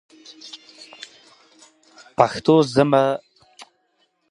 زردالو د افغانستان د طبیعي زیرمو یوه برخه ده.